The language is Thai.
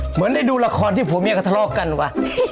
เหมือนได้ดูละครที่ผัวเมียกับทรอบกันวะ